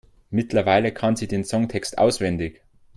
Mittlerweile kann sie den Songtext auswendig.